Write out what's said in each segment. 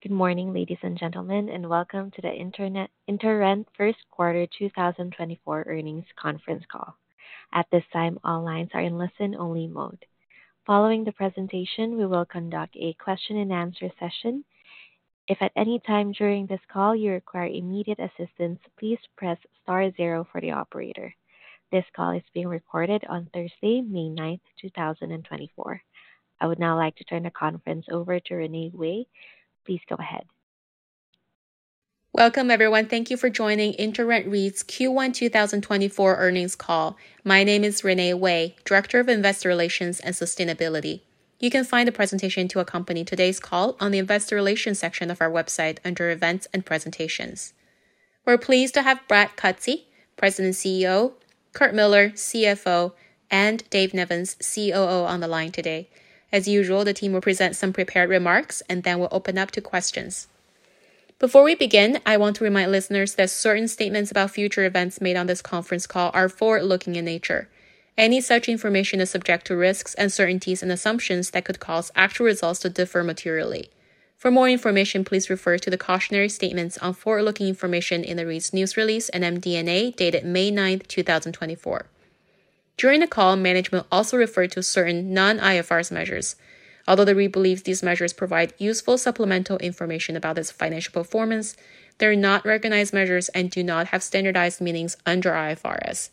Good morning, ladies and gentlemen, and welcome to the InterRent First Quarter 2024 Earnings Conference Call. At this time, all lines are in listen-only mode. Following the presentation, we will conduct a question-and-answer session. If at any time during this call you require immediate assistance, please press star zero for the operator. This call is being recorded on Thursday, May 9, 2024. I would now like to turn the conference over to Renee Wei. Please go ahead. Welcome, everyone. Thank you for joining InterRent REIT's Q1 2024 Earnings Call. My name is Renee Wei, Director of Investor Relations and Sustainability. You can find the presentation to accompany today's call on the Investor Relations section of our website under Events and Presentations. We're pleased to have Brad Cutsey, President CEO; Curt Millar, CFO; and Dave Nevins, COO, on the line today. As usual, the team will present some prepared remarks and then we'll open up to questions. Before we begin, I want to remind listeners that certain statements about future events made on this conference call are forward-looking in nature. Any such information is subject to risks, uncertainties, and assumptions that could cause actual results to differ materially. For more information, please refer to the cautionary statements on forward-looking information in the REIT's news release and MD&A dated May 9, 2024. During the call, management also referred to certain non-IFRS measures. Although the REIT believes these measures provide useful supplemental information about its financial performance, they are not recognized measures and do not have standardized meanings under IFRS.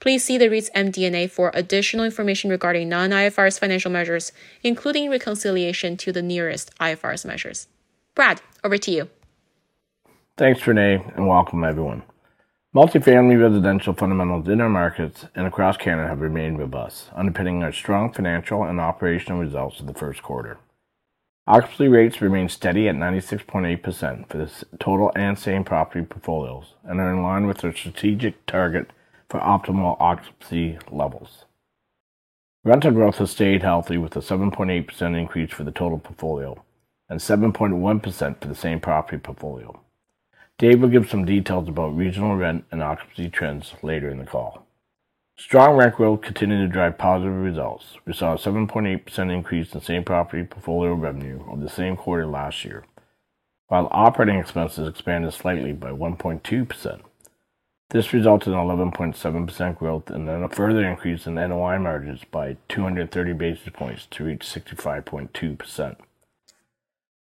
Please see the REIT's MD&A for additional information regarding non-IFRS financial measures, including reconciliation to the nearest IFRS measures. Brad, over to you. Thanks, Renee, and welcome, everyone. Multifamily residential fundamentals in our markets and across Canada have remained robust, underpinning our strong financial and operational results in the first quarter. Occupancy rates remain steady at 96.8% for the total and same property portfolios and are in line with our strategic target for optimal occupancy levels. Rental growth has stayed healthy, with a 7.8% increase for the total portfolio and 7.1% for the same property portfolio. Dave will give some details about regional rent and occupancy trends later in the call. Strong rent growth continued to drive positive results. We saw a 7.8% increase in same property portfolio revenue of the same quarter last year, while operating expenses expanded slightly by 1.2%. This resulted in 11.7% growth and then a further increase in NOI margins by 230 basis points to reach 65.2%.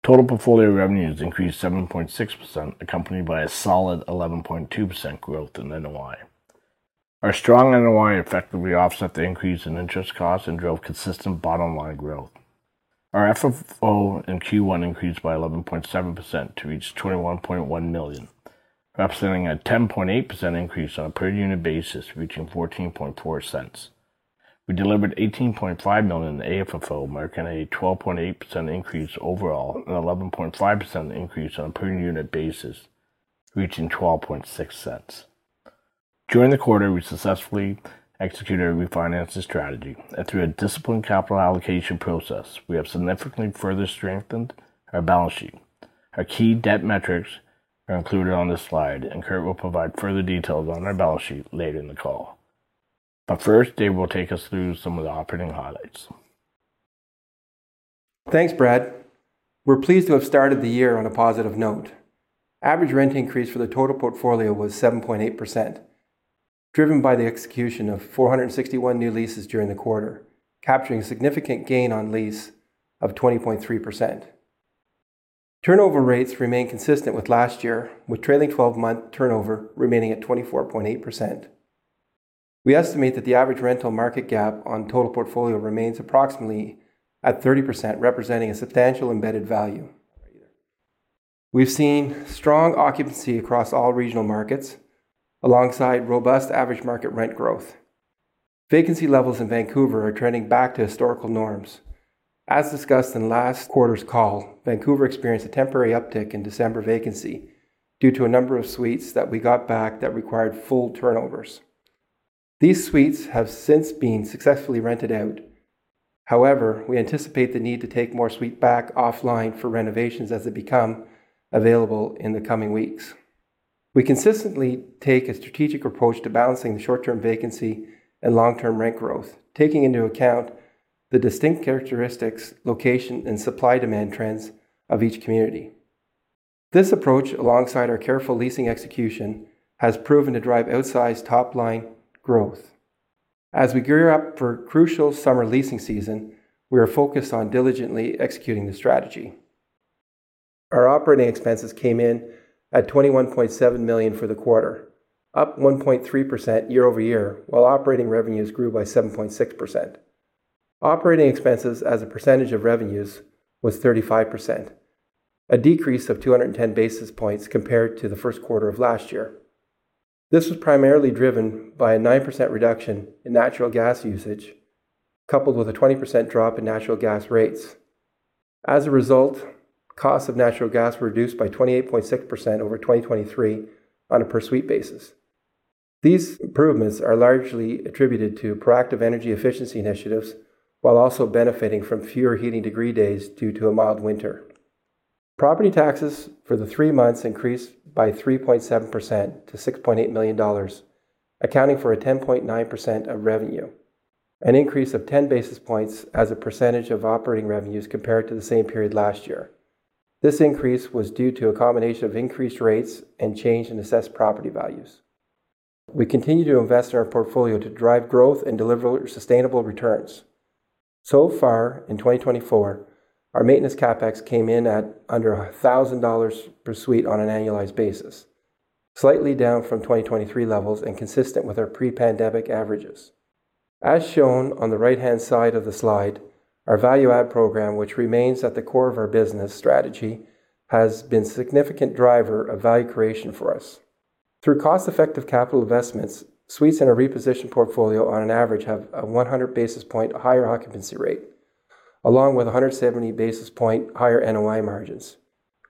Total portfolio revenues increased 7.6%, accompanied by a solid 11.2% growth in NOI. Our strong NOI effectively offset the increase in interest costs and drove consistent bottom-line growth. Our FFO in Q1 increased by 11.7% to reach 21.1 million, representing a 10.8% increase on a per-unit basis, reaching 0.144. We delivered 18.5 million in AFFO, marking a 12.8% increase overall and an 11.5% increase on a per-unit basis, reaching 0.126. During the quarter, we successfully executed our refinancing strategy and, through a disciplined capital allocation process, we have significantly further strengthened our balance sheet. Our key debt metrics are included on this slide, and Curt will provide further details on our balance sheet later in the call. But first, Dave will take us through some of the operating highlights. Thanks, Brad. We're pleased to have started the year on a positive note. Average rent increase for the total portfolio was 7.8%, driven by the execution of 461 new leases during the quarter, capturing a significant gain on lease of 20.3%. Turnover rates remain consistent with last year, with trailing 12-month turnover remaining at 24.8%. We estimate that the average rental market gap on total portfolio remains approximately at 30%, representing a substantial embedded value. We've seen strong occupancy across all regional markets alongside robust average market rent growth. Vacancy levels in Vancouver are trending back to historical norms. As discussed in last quarter's call, Vancouver experienced a temporary uptick in December vacancy due to a number of suites that we got back that required full turnovers. These suites have since been successfully rented out. However, we anticipate the need to take more suites back offline for renovations as they become available in the coming weeks. We consistently take a strategic approach to balancing the short-term vacancy and long-term rent growth, taking into account the distinct characteristics, location, and supply-demand trends of each community. This approach, alongside our careful leasing execution, has proven to drive outsized top-line growth. As we gear up for crucial summer leasing season, we are focused on diligently executing the strategy. Our operating expenses came in at 21.7 million for the quarter, up 1.3% year-over-year, while operating revenues grew by 7.6%. Operating expenses, as a percentage of revenues, was 35%, a decrease of 210 basis points compared to the first quarter of last year. This was primarily driven by a 9% reduction in natural gas usage, coupled with a 20% drop in natural gas rates. As a result, costs of natural gas were reduced by 28.6% over 2023 on a per-suite basis. These improvements are largely attributed to proactive energy efficiency initiatives while also benefiting from fewer heating degree days due to a mild winter. Property taxes for the three months increased by 3.7% to 6.8 million dollars, accounting for 10.9% of revenue, an increase of 10 basis points as a percentage of operating revenues compared to the same period last year. This increase was due to a combination of increased rates and change in assessed property values. We continue to invest in our portfolio to drive growth and deliver sustainable returns. So far, in 2024, our maintenance Capex came in at under 1,000 dollars per suite on an annualized basis, slightly down from 2023 levels and consistent with our pre-pandemic averages. As shown on the right-hand side of the slide, our value-add program, which remains at the core of our business strategy, has been a significant driver of value creation for us. Through cost-effective capital investments, suites in a repositioned portfolio, on an average, have a 100 basis points higher occupancy rate, along with 170 basis points higher NOI margins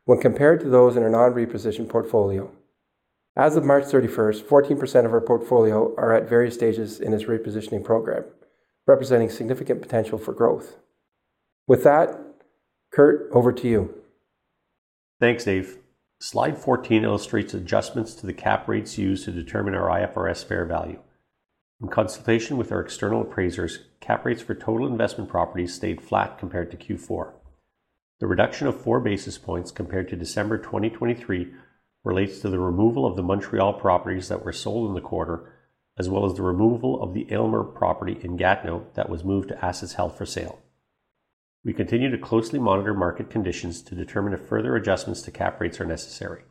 when compared to those in a non-repositioned portfolio. As of March 31st, 14% of our portfolio are at various stages in this repositioning program, representing significant potential for growth. With that, Curt, over to you. Thanks, Dave. Slide 14 illustrates adjustments to the cap rates used to determine our IFRS fair value. In consultation with our external appraisers, cap rates for total investment properties stayed flat compared to Q4. The reduction of four basis points compared to December 2023 relates to the removal of the Montreal properties that were sold in the quarter, as well as the removal of the Aylmer property in Gatineau that was moved to assets held for sale. We continue to closely monitor market conditions to determine if further adjustments to cap rates are necessary.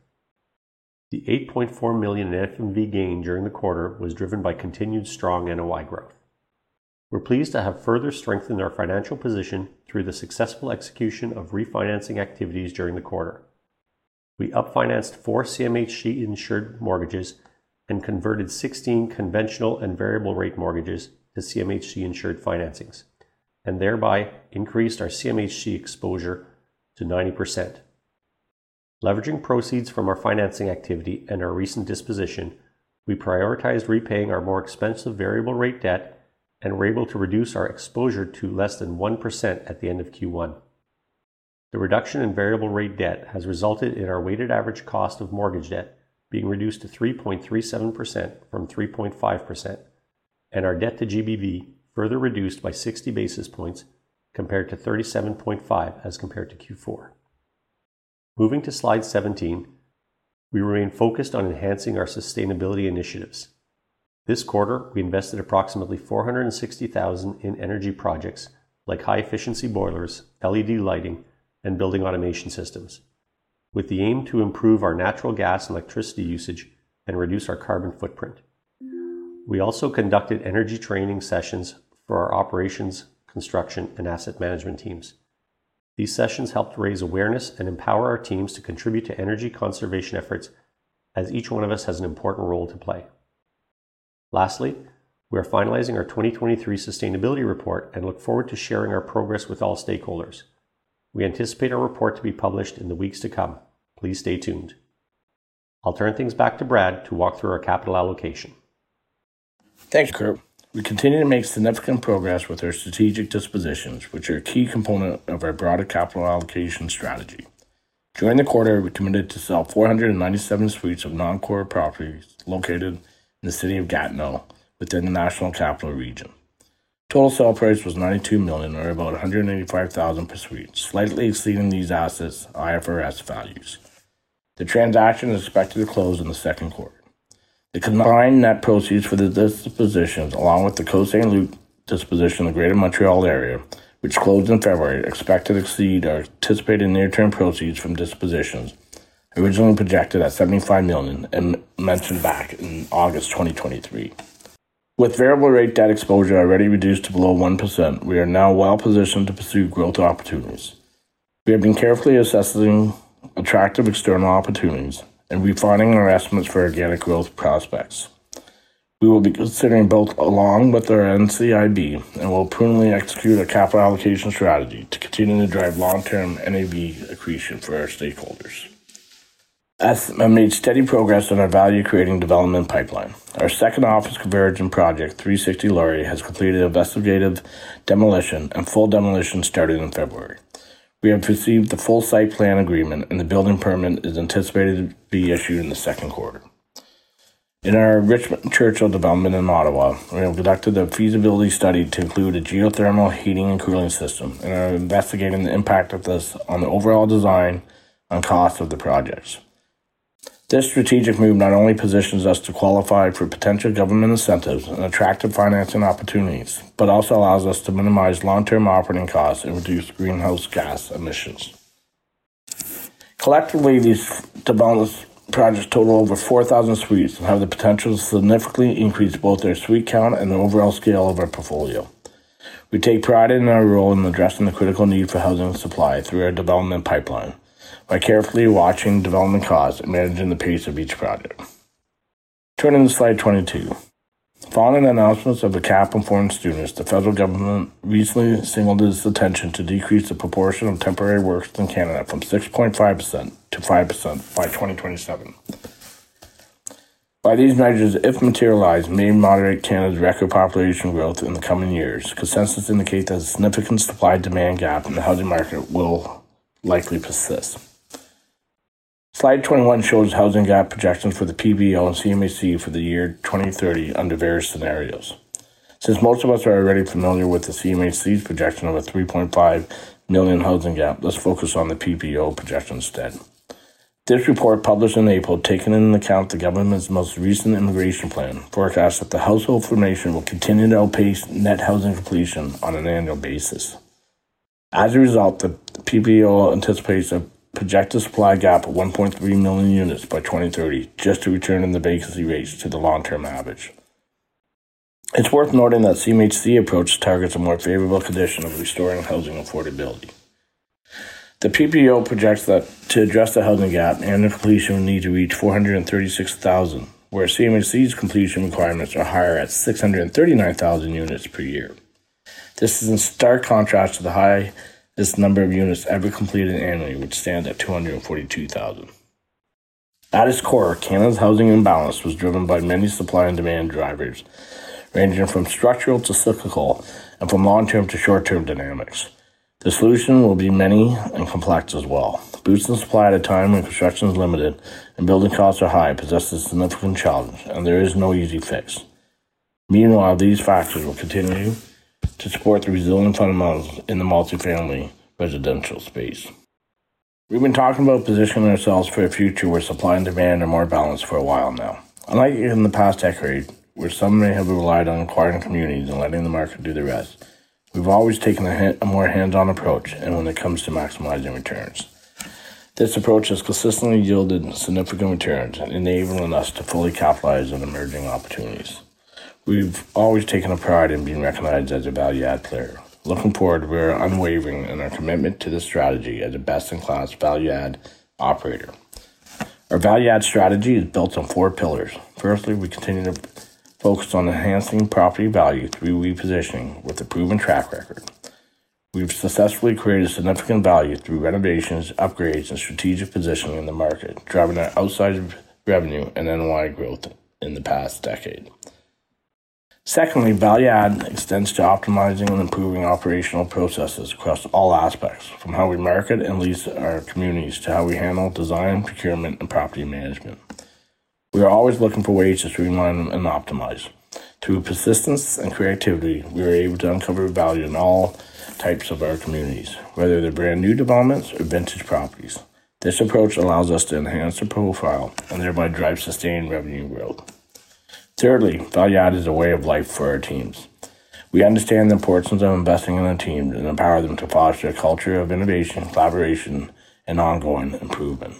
The 8.4 million in FMV gain during the quarter was driven by continued strong NOI growth. We're pleased to have further strengthened our financial position through the successful execution of refinancing activities during the quarter. We upfinanced 4 CMHC-insured mortgages and converted 16 conventional and variable-rate mortgages to CMHC-insured financings, and thereby increased our CMHC exposure to 90%. Leveraging proceeds from our financing activity and our recent disposition, we prioritized repaying our more expensive variable-rate debt, and we're able to reduce our exposure to less than 1% at the end of Q1. The reduction in variable-rate debt has resulted in our weighted average cost of mortgage debt being reduced to 3.37% from 3.5%, and our debt to GBV further reduced by 60 basis points compared to 37.5% as compared to Q4. Moving to slide 17, we remain focused on enhancing our sustainability initiatives. This quarter, we invested approximately 460,000 in energy projects like high-efficiency boilers, LED lighting, and building automation systems, with the aim to improve our natural gas and electricity usage and reduce our carbon footprint. We also conducted energy training sessions for our operations, construction, and asset management teams. These sessions helped raise awareness and empower our teams to contribute to energy conservation efforts, as each one of us has an important role to play. Lastly, we are finalizing our 2023 sustainability report and look forward to sharing our progress with all stakeholders. We anticipate our report to be published in the weeks to come. Please stay tuned. I'll turn things back to Brad to walk through our capital allocation. Thanks, Curt. We continue to make significant progress with our strategic dispositions, which are a key component of our broader capital allocation strategy. During the quarter, we committed to sell 497 suites of non-core properties located in the city of Gatineau within the National Capital Region. Total sale price was 92 million or about 185,000 per suite, slightly exceeding these assets' IFRS values. The transaction is expected to close in the second quarter. The combined net proceeds for the dispositions, along with the Côte Saint-Luc disposition in the Greater Montreal area, which closed in February, are expected to exceed our anticipated near-term proceeds from dispositions, originally projected at 75 million and mentioned back in August 2023. With variable-rate debt exposure already reduced to below 1%, we are now well-positioned to pursue growth opportunities. We have been carefully assessing attractive external opportunities and refining our estimates for organic growth prospects. We will be considering both along with our NCIB and will prudently execute our capital allocation strategy to continue to drive long-term NAV accretion for our stakeholders. We have made steady progress in our value-creating development pipeline. Our second office conversion project, 360 Laurier, has completed investigative demolition and full demolition starting in February. We have received the full site plan agreement, and the building permit is anticipated to be issued in the second quarter. In our Richmond & Churchill development in Ottawa, we have conducted a feasibility study to include a geothermal heating and cooling system, and are investigating the impact of this on the overall design and cost of the projects. This strategic move not only positions us to qualify for potential government incentives and attractive financing opportunities but also allows us to minimize long-term operating costs and reduce greenhouse gas emissions. Collectively, these development projects total over 4,000 suites and have the potential to significantly increase both their suite count and the overall scale of our portfolio. We take pride in our role in addressing the critical need for housing supply through our development pipeline by carefully watching development costs and managing the pace of each project. Turning to slide 22. Following the announcements of a cap on foreign students, the federal government recently signaled its intention to decrease the proportion of temporary workers in Canada from 6.5%-5% by 2027. By these measures, if materialized, may moderate Canada's record population growth in the coming years. Consensus indicates that a significant supply-demand gap in the housing market will likely persist. Slide 21 shows housing gap projections for the PBO and CMHC for the year 2030 under various scenarios. Since most of us are already familiar with the CMHC's projection of a 3.5 million housing gap, let's focus on the PBO projection instead. This report, published in April, taken into account the government's most recent immigration plan, forecasts that the household formation will continue to outpace net housing completion on an annual basis. As a result, the PBO anticipates a projected supply gap of 1.3 million units by 2030 just to return in the vacancy rates to the long-term average. It's worth noting that the CMHC approach targets a more favorable condition of restoring housing affordability. The PBO projects that to address the housing gap, annual completion would need to reach 436,000, where CMHC's completion requirements are higher at 639,000 units per year. This is in stark contrast to the highest number of units ever completed annually, which stands at 242,000. At its core, Canada's housing imbalance was driven by many supply and demand drivers, ranging from structural to cyclical and from long-term to short-term dynamics. The solution will be many and complex as well. Boosting supply at a time when construction is limited and building costs are high possesses significant challenges, and there is no easy fix. Meanwhile, these factors will continue to support the resilient fundamentals in the multifamily residential space. We've been talking about positioning ourselves for a future where supply and demand are more balanced for a while now. Unlike in the past decade, where some may have relied on acquiring communities and letting the market do the rest, we've always taken a more hands-on approach when it comes to maximizing returns. This approach has consistently yielded significant returns and enabled us to fully capitalize on emerging opportunities. We've always taken pride in being recognized as a value-add player. Looking forward, we are unwavering in our commitment to this strategy as a best-in-class value-add operator. Our value-add strategy is built on four pillars. Firstly, we continue to focus on enhancing property value through repositioning with a proven track record. We've successfully created significant value through renovations, upgrades, and strategic positioning in the market, driving outsized revenue and NOI growth in the past decade. Secondly, value-add extends to optimizing and improving operational processes across all aspects, from how we market and lease our communities to how we handle design, procurement, and property management. We are always looking for ways to streamline and optimize. Through persistence and creativity, we are able to uncover value in all types of our communities, whether they're brand-new developments or vintage properties. This approach allows us to enhance our profile and thereby drive sustained revenue growth. Thirdly, value-add is a way of life for our teams. We understand the importance of investing in our teams and empower them to foster a culture of innovation, collaboration, and ongoing improvement.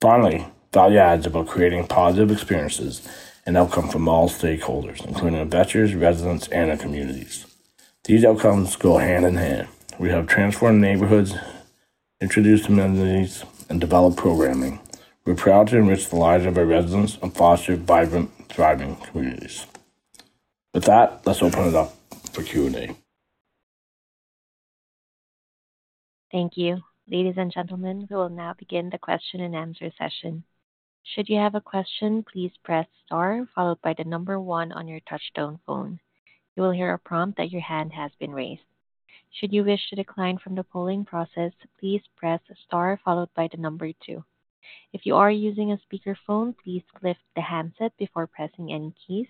Finally, value-add is about creating positive experiences and outcomes from all stakeholders, including investors, residents, and our communities. These outcomes go hand in hand. We have transformed neighborhoods, introduced amenities, and developed programming. We're proud to enrich the lives of our residents and foster vibrant, thriving communities. With that, let's open it up for Q&A. Thank you. Ladies and gentlemen, we will now begin the question-and-answer session. Should you have a question, please press star followed by the number one on your touch-tone phone. You will hear a prompt that your hand has been raised. Should you wish to decline from the polling process, please press star followed by the number two. If you are using a speakerphone, please lift the handset before pressing any keys.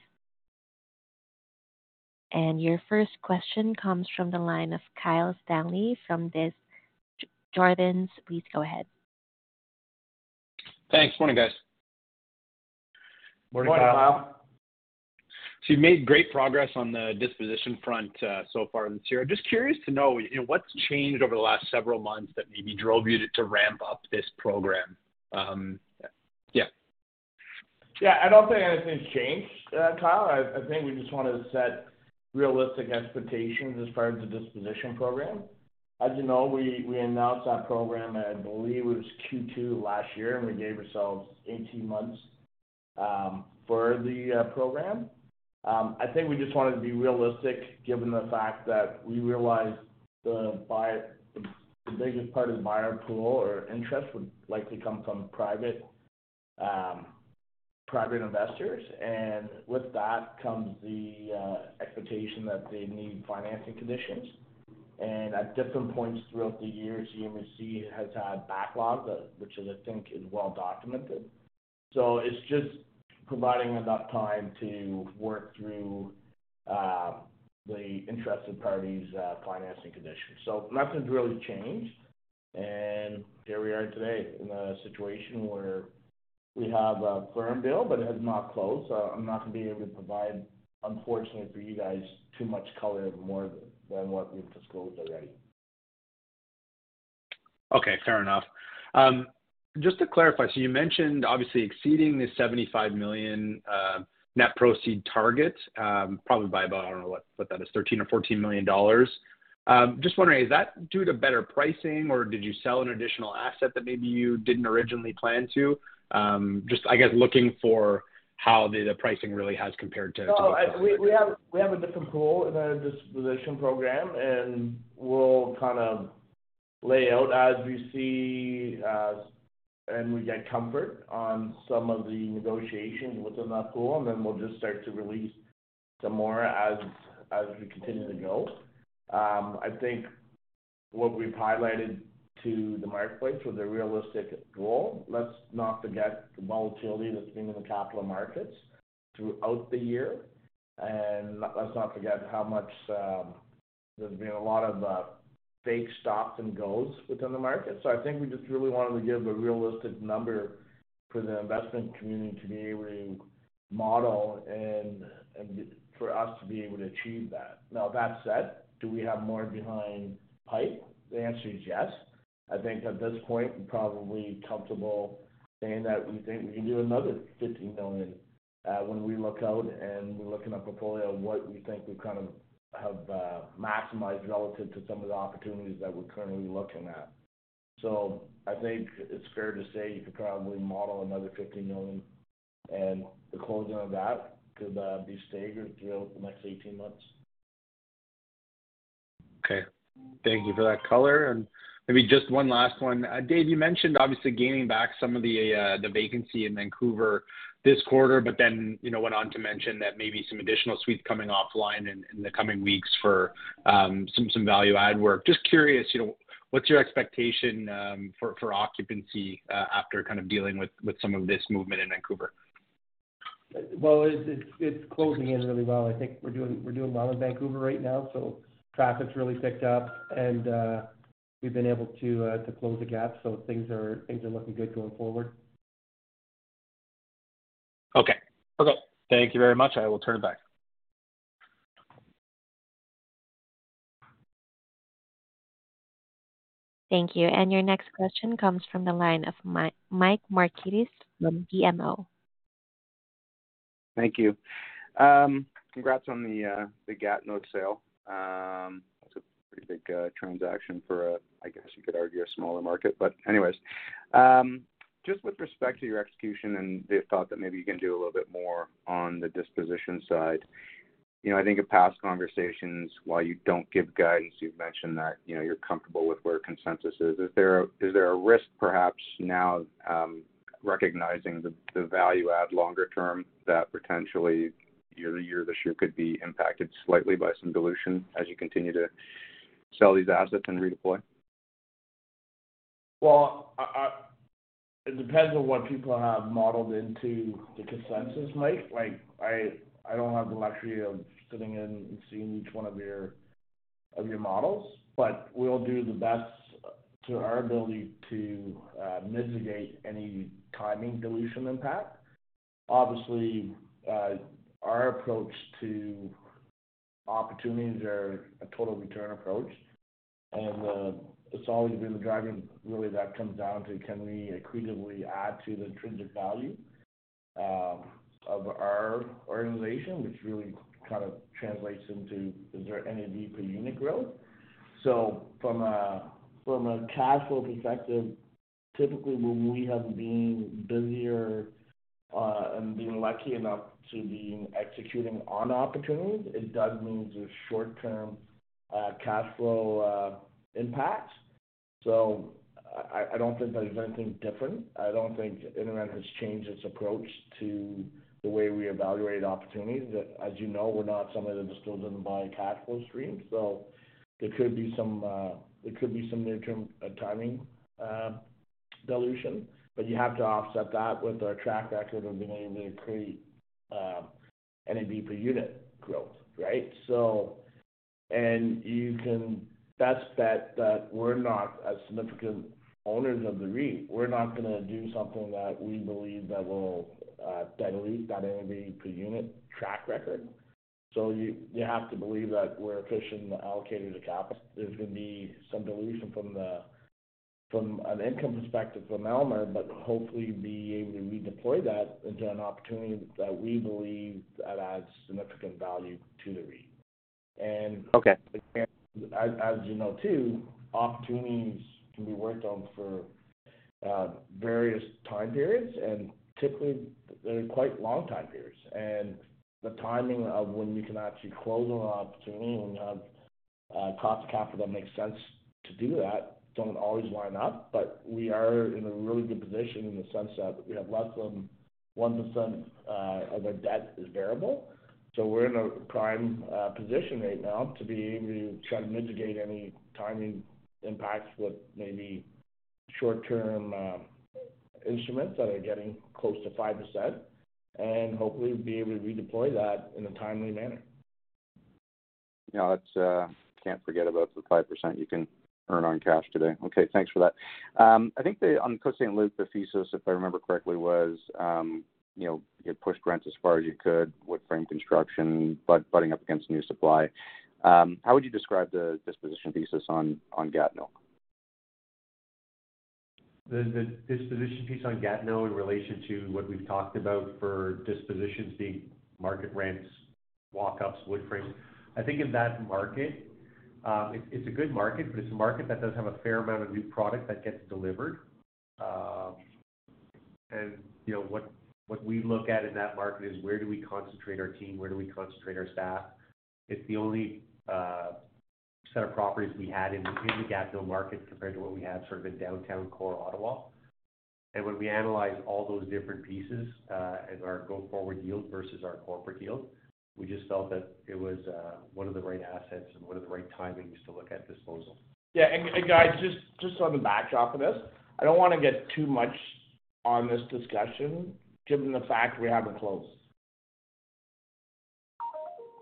Your first question comes from the line of Kyle Stanley from Desjardins. Please go ahead. Thanks. Morning, guys. Morning, Kyle. Morning, Kyle. So you've made great progress on the disposition front so far this year. Just curious to know, what's changed over the last several months that maybe drove you to ramp up this program? Yeah. Yeah. I don't think anything's changed, Kyle. I think we just wanted to set realistic expectations as far as the disposition program. As you know, we announced that program, I believe it was Q2 last year, and we gave ourselves 18 months for the program. I think we just wanted to be realistic given the fact that we realized the biggest part of the buyer pool or interest would likely come from private investors. And with that comes the expectation that they need financing conditions. And at different points throughout the year, CMHC has had backlogs, which I think is well-documented. So it's just providing enough time to work through the interested parties' financing conditions. So nothing's really changed. And here we are today in a situation where we have a firm bid, but it has not closed. I'm not going to be able to provide, unfortunately for you guys, too much color more than what we've disclosed already. Okay. Fair enough. Just to clarify, so you mentioned, obviously, exceeding the 75 million net proceeds target, probably by about I don't know what that is, 13 million or 14 million dollars. Just wondering, is that due to better pricing, or did you sell an additional asset that maybe you didn't originally plan to? Just, I guess, looking for how the pricing really has compared to both of those. No. We have a different pool in our disposition program, and we'll kind of lay out as we see and we get comfort on some of the negotiations within that pool, and then we'll just start to release some more as we continue to go. I think what we've highlighted to the marketplace with a realistic goal. Let's not forget the volatility that's been in the capital markets throughout the year. And let's not forget how much there's been a lot of fake stops and goes within the market. So I think we just really wanted to give a realistic number for the investment community to be able to model and for us to be able to achieve that. Now, that said, do we have more behind pipe? The answer is yes. I think at this point, we're probably comfortable saying that we think we can do another 15 million when we look out and we look in our portfolio what we think we kind of have maximized relative to some of the opportunities that we're currently looking at. So I think it's fair to say you could probably model another 15 million, and the closing of that could be staggered throughout the next 18 months. Okay. Thank you for that color. And maybe just one last one. Dave, you mentioned, obviously, gaining back some of the vacancy in Vancouver this quarter, but then went on to mention that maybe some additional suites coming offline in the coming weeks for some value-add work. Just curious, what's your expectation for occupancy after kind of dealing with some of this movement in Vancouver? Well, it's closing in really well. I think we're doing well in Vancouver right now. So traffic's really picked up, and we've been able to close the gap. So things are looking good going forward. Okay. Okay. Thank you very much. I will turn it back. Thank you. And your next question comes from the line of Mike Markidis from BMO. Thank you. Congrats on the Gatineau sale. That's a pretty big transaction for a, I guess you could argue, a smaller market. But anyways, just with respect to your execution and the thought that maybe you can do a little bit more on the disposition side, I think in past conversations, while you don't give guidance, you've mentioned that you're comfortable with where consensus is. Is there a risk, perhaps, now recognizing the value-add longer term that potentially year to year this year could be impacted slightly by some dilution as you continue to sell these assets and redeploy? Well, it depends on what people have modeled into the consensus, Mike. I don't have the luxury of sitting in and seeing each one of your models, but we'll do the best to our ability to mitigate any timing dilution impact. Obviously, our approach to opportunities are a total return approach, and it's always been the driver, really, that comes down to can we accretively add to the intrinsic value of our organization, which really kind of translates into, is there any V per unit growth? So from a cash flow perspective, typically, when we have been busier and been lucky enough to be executing on opportunities, it does mean there's short-term cash flow impacts. So I don't think there's anything different. I don't think InterRent has changed its approach to the way we evaluate opportunities. As you know, we're not somebody that discloses and buys cash flow streams. So there could be some near-term timing dilution, but you have to offset that with our track record of being able to create NAV per unit growth, right? And you can best bet that we're not significant owners of the REIT. We're not going to do something that we believe that will dilute that NAV per unit track record. So you have to believe that we're efficient allocators of capital. There's going to be some dilution from an income perspective from Aylmer, but hopefully be able to redeploy that into an opportunity that we believe that adds significant value to the REIT. And as you know, too, opportunities can be worked on for various time periods, and typically, they're quite long time periods. The timing of when you can actually close on an opportunity, when you have cost of capital that makes sense to do that, don't always line up. We are in a really good position in the sense that we have less than 1% of our debt is variable. We're in a prime position right now to be able to try to mitigate any timing impacts with maybe short-term instruments that are getting close to 5% and hopefully be able to redeploy that in a timely manner. Yeah. I can't forget about the 5% you can earn on cash today. Okay. Thanks for that. I think on Côte Saint-Luc, the thesis, if I remember correctly, was you had pushed rents as far as you could, wood frame construction, butting up against new supply. How would you describe the disposition thesis on Gatineau? The disposition piece on Gatineau in relation to what we've talked about for dispositions being market rents, walk-ups, wood frames, I think in that market, it's a good market, but it's a market that does have a fair amount of new product that gets delivered. What we look at in that market is where do we concentrate our team? Where do we concentrate our staff? It's the only set of properties we had in the Gatineau market compared to what we had sort of in downtown core Ottawa. When we analyzed all those different pieces and our go-forward yield versus our corporate yield, we just felt that it was one of the right assets and one of the right timings to look at disposal. Yeah. And guys, just on the backdrop of this, I don't want to get too much on this discussion given the fact we haven't closed.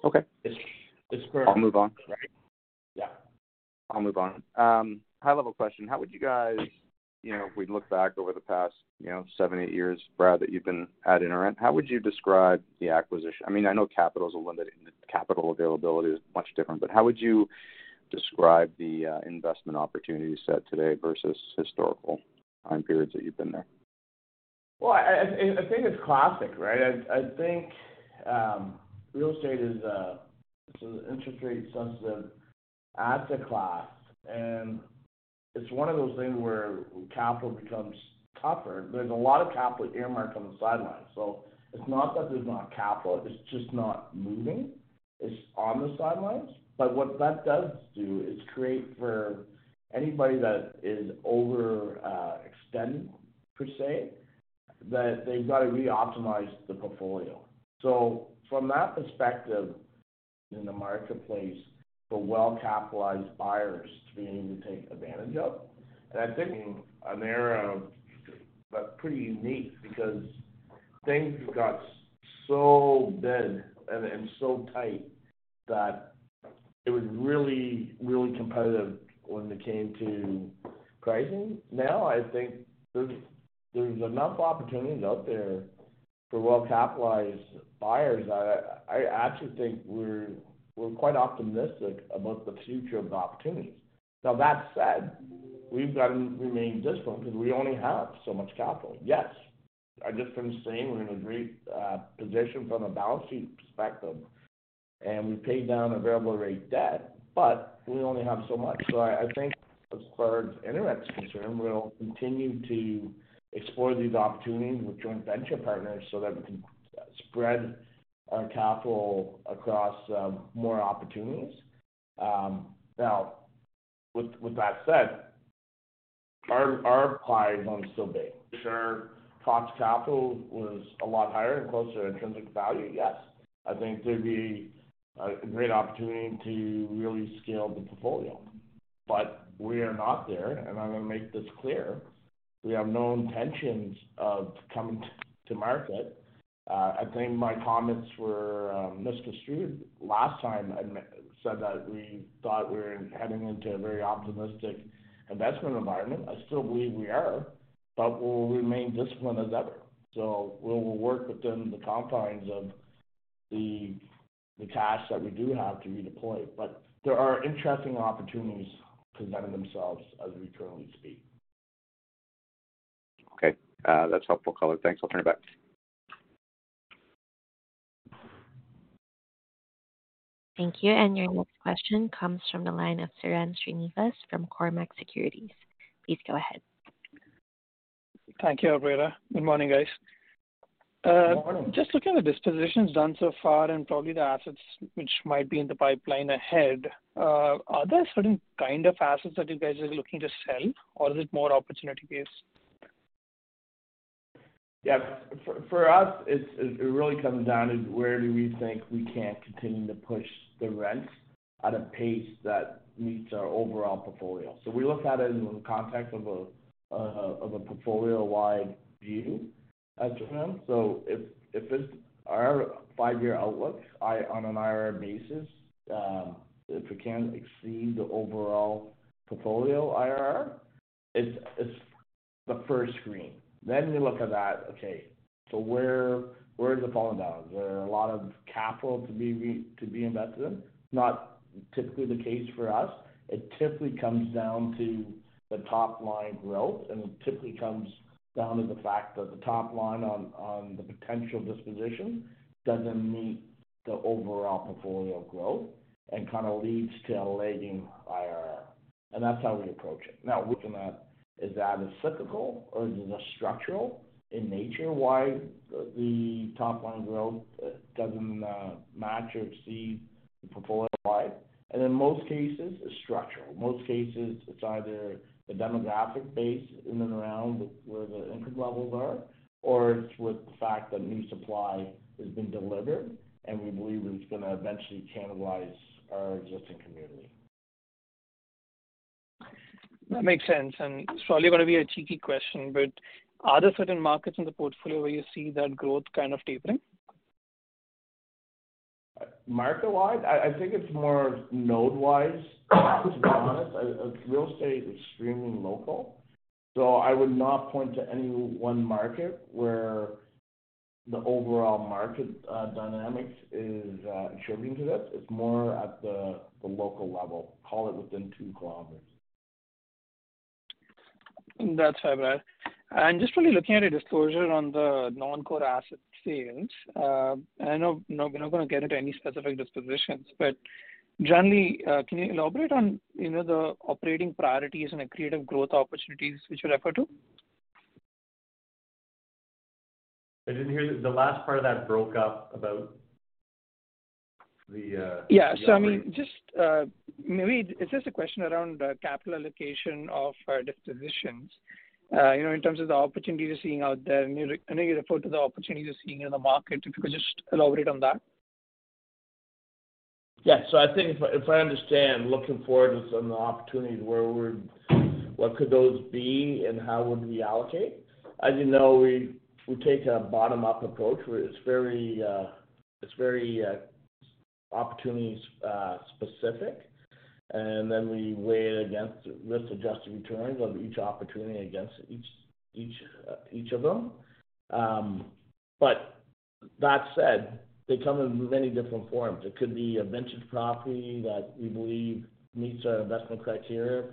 Okay. It's. I'll move on, right? Yeah. I'll move on. High-level question. How would you guys, if we look back over the past 7, 8 years, Brad, that you've been at InterRent, how would you describe the acquisition? I mean, I know capital's a limit, and the capital availability is much different, but how would you describe the investment opportunity set today versus historical time periods that you've been there? Well, I think it's classic, right? I think real estate is an interest-rate-sensitive asset class, and it's one of those things where capital becomes tougher. There's a lot of capital earmarked on the sidelines. So it's not that there's not capital. It's just not moving. It's on the sidelines. But what that does do is create for anybody that is overextended, per se, that they've got to reoptimize the portfolio. So from that perspective, in the marketplace for well-capitalized buyers to be able to take advantage of. And I think, being an era that's pretty unique because things have got so bid and so tight that it was really, really competitive when it came to pricing. Now, I think there's enough opportunities out there for well-capitalized buyers that I actually think we're quite optimistic about the future of the opportunities. Now, that said, we've got to remain disciplined because we only have so much capital. Yes. I just finished saying we're in a great position from a balance sheet perspective, and we've paid down available rate debt, but we only have so much. So I think as far as InterRent's concerned, we'll continue to explore these opportunities with joint venture partners so that we can spread our capital across more opportunities. Now, with that said, our pie is only still big. If our cost of capital was a lot higher and closer to intrinsic value, yes, I think there'd be a great opportunity to really scale the portfolio. But we are not there. And I'm going to make this clear. We have known tensions of coming to market. I think my comments were misconstrued. Last time, I said that we thought we were heading into a very optimistic investment environment. I still believe we are, but we'll remain disciplined as ever. So we'll work within the confines of the cash that we do have to redeploy. But there are interesting opportunities presenting themselves as we currently speak. Okay. That's helpful color. Thanks. I'll turn it back. Thank you. And your next question comes from the line of Sairam Srinivas from Cormark Securities. Please go ahead. Thank you, Alberta. Good morning, guys. Good morning. Just looking at the dispositions done so far and probably the assets which might be in the pipeline ahead, are there certain kind of assets that you guys are looking to sell, or is it more opportunity-based? Yeah. For us, it really comes down to where we think we can continue to push the rents at a pace that meets our overall portfolio. So we look at it in the context of a portfolio-wide view as to rents. So if it's our five-year outlook on an IRR basis, if we can exceed the overall portfolio IRR, it's the first screen. Then you look at that, "Okay. So where is the falling balance? Is there a lot of capital to be invested in?" Not typically the case for us. It typically comes down to the top-line growth, and it typically comes down to the fact that the top line on the potential disposition doesn't meet the overall portfolio growth and kind of leads to a lagging IRR. And that's how we approach it. Now. Looking at, is that cyclical, or is it structural in nature why the top-line growth doesn't match or exceed the portfolio-wide? In most cases, it's structural. In most cases, it's either the demographic base in and around where the income levels are, or it's with the fact that new supply has been delivered, and we believe it's going to eventually cannibalize our existing community. That makes sense. Sorry, it's going to be a cheeky question, but are there certain markets in the portfolio where you see that growth kind of tapering? Market-wide? I think it's more node-wise, to be honest. Real estate is extremely local. So I would not point to any one market where the overall market dynamics is attributing to this. It's more at the local level. Call it within two kilometers. That's fair, Brad. Just really looking at a disclosure on the non-core asset sales, and I know we're not going to get into any specific dispositions, but generally, can you elaborate on the operating priorities and the creative growth opportunities which you refer to? I didn't hear the last part of that broke up about the. Yeah. So I mean, maybe it's just a question around capital allocation of dispositions in terms of the opportunities you're seeing out there. I know you referred to the opportunities you're seeing in the market. If you could just elaborate on that. Yeah. So I think if I understand, looking forward to some of the opportunities where we're what could those be and how would we allocate? As you know, we take a bottom-up approach where it's very opportunity-specific, and then we weigh it against risk-adjusted returns of each opportunity against each of them. But that said, they come in many different forms. It could be a vintage property that we believe meets our investment criteria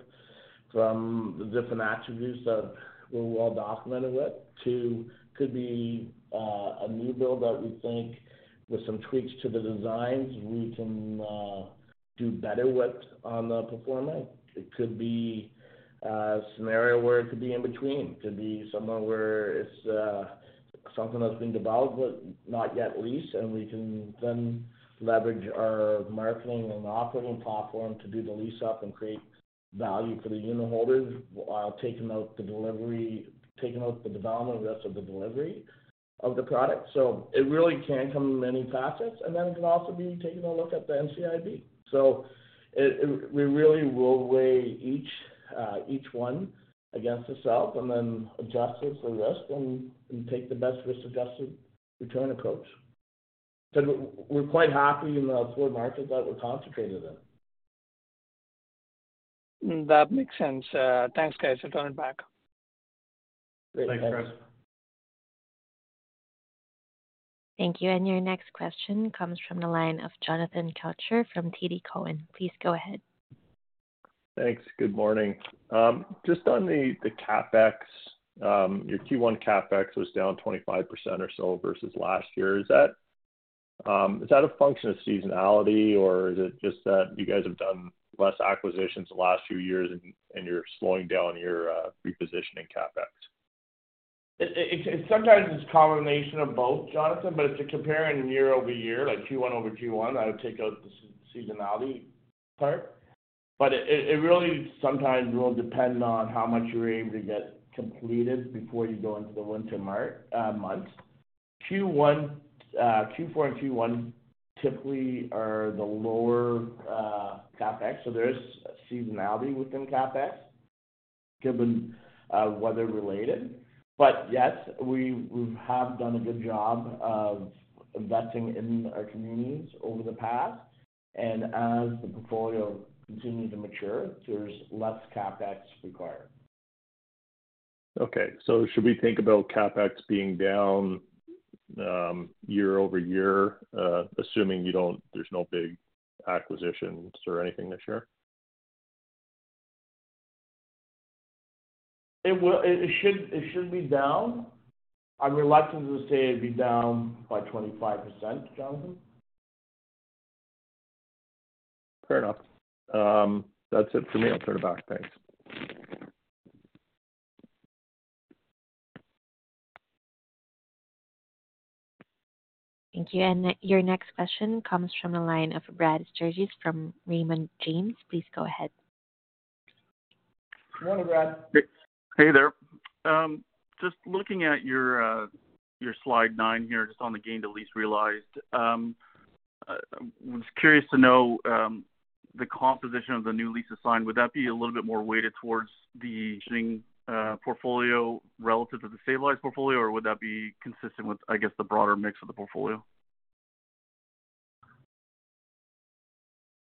from the different attributes that we're all documented with to could be a new build that we think with some tweaks to the designs we can do better with on the performance. It could be a scenario where it could be in between. It could be somewhere where it's something that's being developed but not yet leased, and we can then leverage our marketing and operating platform to do the lease-up and create value for the unit holders while taking out the delivery taking out the development risk of the delivery of the product. So it really can come in many facets, and then it can also be taking a look at the NCIB. So we really will weigh each one against itself and then adjust it for risk and take the best risk-adjusted return approach. So we're quite happy in the four markets that we're concentrated in. That makes sense. Thanks, guys. I'll turn it back. Great. Thanks, Brad. Thank you. And your next question comes from the line of Jonathan Kelcher from TD Cowen. Please go ahead. Thanks. Good morning. Just on the CapEx, your Q1 CapEx was down 25% or so versus last year. Is that a function of seasonality, or is it just that you guys have done less acquisitions the last few years, and you're slowing down your repositioning CapEx? Sometimes it's a combination of both, Jonathan, but it's a comparing year-over-year, like Q1 over Q1. I would take out the seasonality part. But it really sometimes will depend on how much you're able to get completed before you go into the winter months. Q4 and Q1 typically are the lower CapEx, so there is seasonality within CapEx given weather-related. But yes, we have done a good job of investing in our communities over the past, and as the portfolio continues to mature, there's less Capex required. Okay. So should we think about CapEx being down year-over-year, assuming there's no big acquisitions or anything this year? It should be down. I'm reluctant to say it'd be down by 25%, Jonathan. Fair enough. That's it for me. I'll turn it back. Thanks. Thank you. Your next question comes from the line of Brad Sturges from Raymond James. Please go ahead. Good morning, Brad. Hey there. Just looking at your Slide 9 here, just on the gain to lease realized, I was curious to know the composition of the new lease assigned. Would that be a little bit more weighted towards the positioning portfolio relative to the stabilized portfolio, or would that be consistent with, I guess, the broader mix of the portfolio?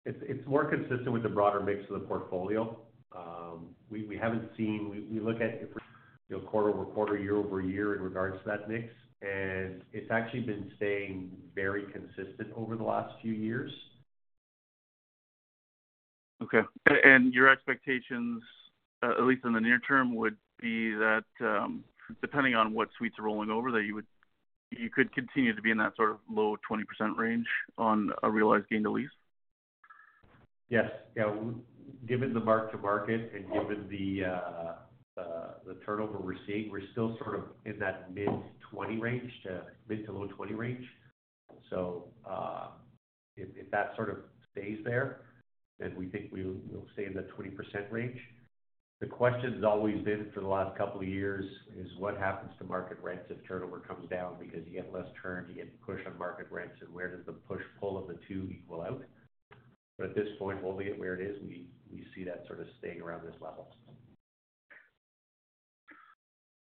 It's more consistent with the broader mix of the portfolio. We haven't seen. We look at quarter-over-quarter, year-over-year in regards to that mix. It's actually been staying very consistent over the last few years. Okay. Your expectations, at least in the near term, would be that depending on what suites are rolling over, that you could continue to be in that sort of low 20% range on a realized gain to lease? Yes. Yeah. Given the mark-to-market and given the turnover we're seeing, we're still sort of in that mid-20 range to mid- to low-20 range. So if that sort of stays there, then we think we'll stay in that 20% range. The question's always been for the last couple of years is what happens to market rents if turnover comes down because you get less turn, you get push on market rents, and where does the push-pull of the two equal out? But at this point, holding it where it is, we see that sort of staying around this level.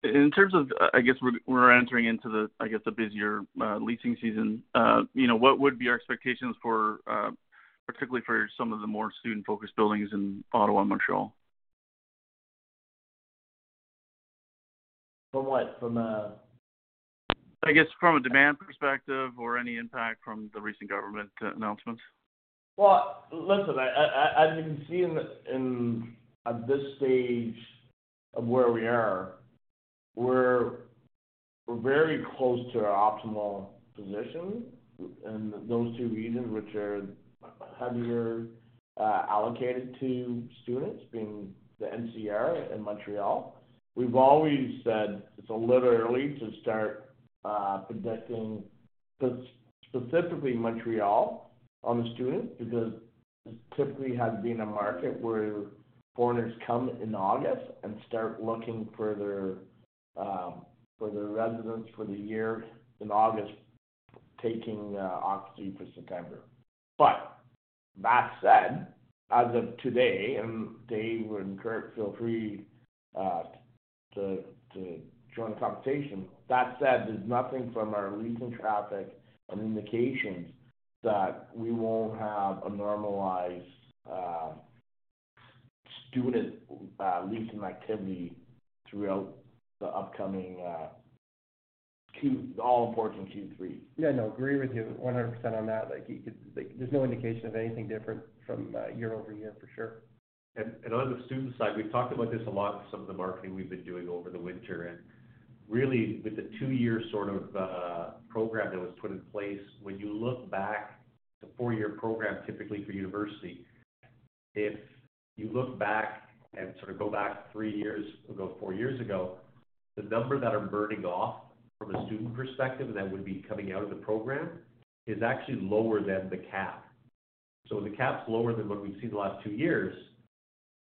In terms of, I guess, we're entering into, I guess, a busier leasing season. What would be our expectations, particularly for some of the more student-focused buildings in Ottawa and Montreal? From what? From a. I guess from a demand perspective or any impact from the recent government announcements? Well, listen, as you can see at this stage of where we are, we're very close to our optimal position in those two regions which are heavier allocated to students, being the NCR and Montreal. We've always said it's a little early to start predicting specifically Montreal on the students because this typically has been a market where foreigners come in August and start looking for their residence for the year in August, taking occupancy for September. But that said, as of today, and Dave and Curt feel free to join the conversation, that said, there's nothing from our leasing traffic and indications that we won't have a normalized student leasing activity throughout the upcoming all-important Q3. Yeah. No. Agree with you 100% on that. There's no indication of anything different from year-over-year, for sure. On the student side, we've talked about this a lot with some of the marketing we've been doing over the winter. Really, with the two-year sort of program that was put in place, when you look back to four-year programs, typically for university, if you look back and sort of go back three years ago, four years ago, the number that are burning off from a student perspective that would be coming out of the program is actually lower than the cap. The cap's lower than what we've seen the last two years,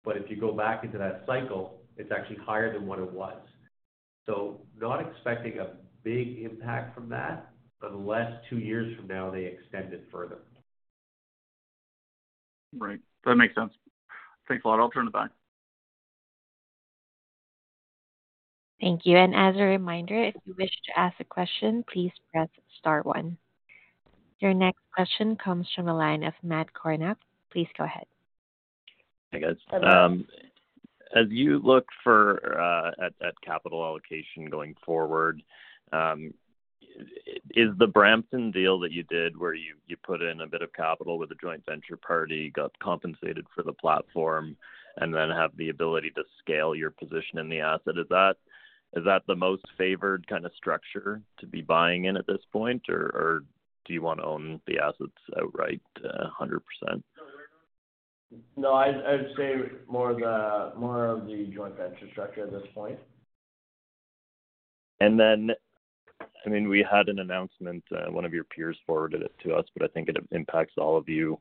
but if you go back into that cycle, it's actually higher than what it was. Not expecting a big impact from that unless two years from now, they extend it further. Right. That makes sense. Thanks a lot. I'll turn it back. Thank you. And as a reminder, if you wish to ask a question, please press star one. Your next question comes from the line of Matt Kornack. Please go ahead. Hey, guys. As you look at capital allocation going forward, is the Brampton deal that you did where you put in a bit of capital with a joint venture party, got compensated for the platform, and then have the ability to scale your position in the asset, is that the most favored kind of structure to be buying in at this point, or do you want to own the assets outright 100%? No. I'd say more of the joint venture structure at this point. And then, I mean, we had an announcement. One of your peers forwarded it to us, but I think it impacts all of you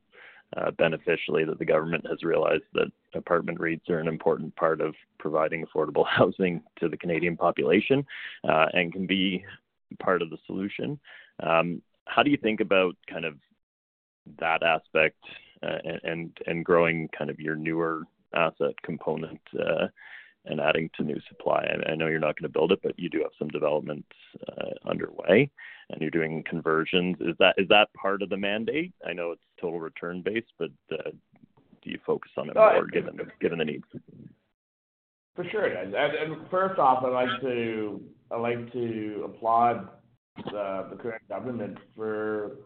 beneficially that the government has realized that apartment rates are an important part of providing affordable housing to the Canadian population and can be part of the solution. How do you think about kind of that aspect and growing kind of your newer asset component and adding to new supply? I know you're not going to build it, but you do have some developments underway, and you're doing conversions. Is that part of the mandate? I know it's total return-based, but do you focus on it more given the needs? For sure. First off, I'd like to applaud the current government for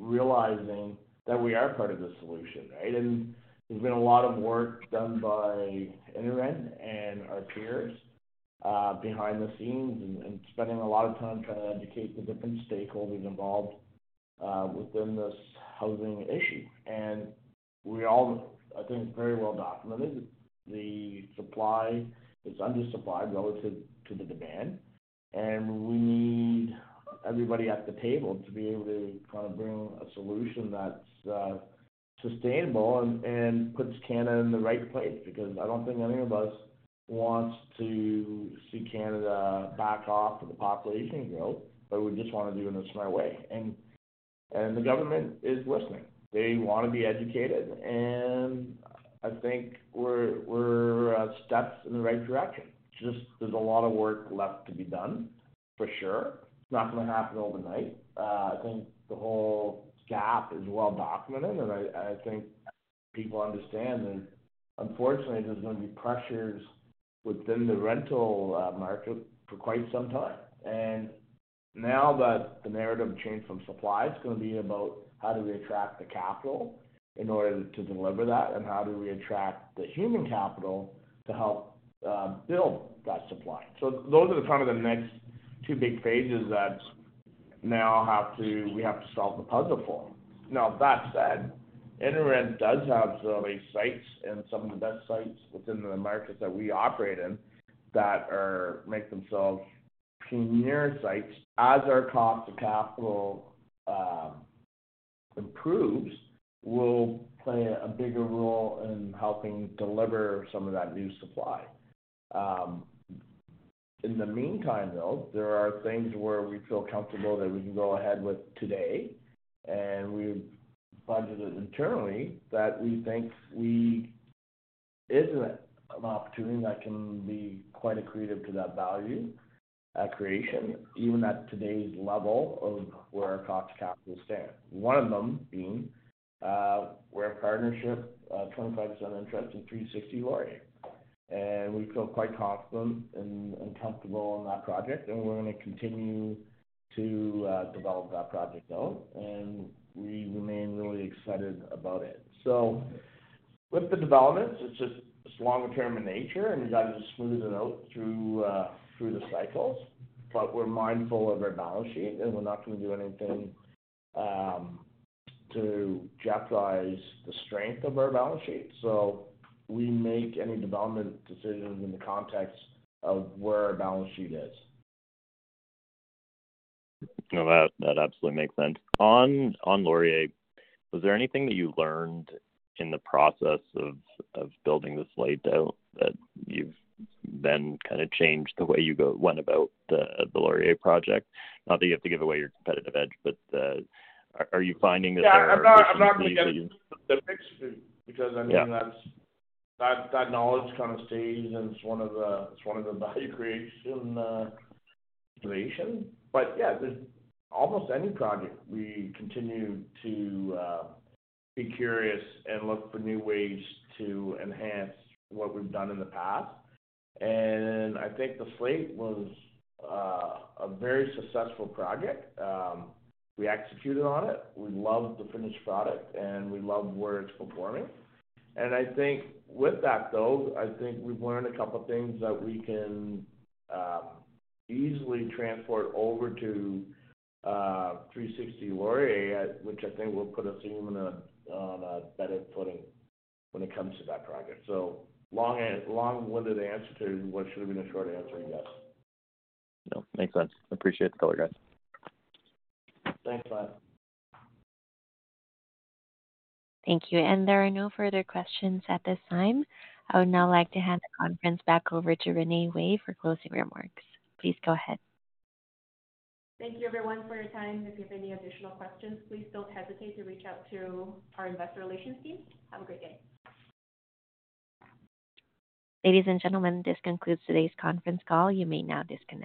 realizing that we are part of the solution, right? There's been a lot of work done by InterRent and our peers behind the scenes and spending a lot of time trying to educate the different stakeholders involved within this housing issue. I think it's very well documented. The supply is undersupplied relative to the demand. We need everybody at the table to be able to kind of bring a solution that's sustainable and puts Canada in the right place because I don't think any of us wants to see Canada back off of the population growth, but we just want to do it in a smart way. The government is listening. They want to be educated. I think we're steps in the right direction. Just there's a lot of work left to be done, for sure. It's not going to happen overnight. I think the whole gap is well documented, and I think people understand that, unfortunately, there's going to be pressures within the rental market for quite some time. And now that the narrative changed from supply, it's going to be about how do we attract the capital in order to deliver that and how do we attract the human capital to help build that supply. So those are kind of the next two big phases that now we have to solve the puzzle for. Now, that said, InterRent does have some of the best sites within the markets that we operate in that make themselves premier sites. As our cost of capital improves, we'll play a bigger role in helping deliver some of that new supply. In the meantime, though, there are things where we feel comfortable that we can go ahead with today, and we've budgeted internally that we think is an opportunity that can be quite accretive to that value creation, even at today's level of where our cost of capital stands. One of them being we're a partnership, 25% interest in 360 Laurier. And we feel quite confident and comfortable in that project, and we're going to continue to develop that project out. And we remain really excited about it. So with the developments, it's longer-term in nature, and you guys are smoothing it out through the cycles. But we're mindful of our balance sheet, and we're not going to do anything to jeopardize the strength of our balance sheet. So we make any development decisions in the context of where our balance sheet is. No, that absolutely makes sense. On Laurier, was there anything that you learned in the process of building The Slayte that you've then kind of changed the way you went about the Laurier project? Not that you have to give away your competitive edge, but are you finding that there are some things that you? Yeah. I'm not going to give specifics to you because, I mean, that knowledge kind of stays, and it's one of the value creation relations. But yeah, almost any project, we continue to be curious and look for new ways to enhance what we've done in the past. I think The Slayte was a very successful project. We executed on it. We love the finished product, and we love where it's performing. And with that, though, I think we've learned a couple of things that we can easily transport over to 360 Laurier, which I think will put us even on a better footing when it comes to that project. So long-winded answer to what should have been a short answer, yes. Nope. Makes sense. Appreciate the color, guys. Thanks, Matt. Thank you. There are no further questions at this time. I would now like to hand the conference back over to Renee Wei for closing remarks. Please go ahead. Thank you, everyone, for your time. If you have any additional questions, please don't hesitate to reach out to our investor relations team. Have a great day. Ladies and gentlemen, this concludes today's conference call. You may now disconnect.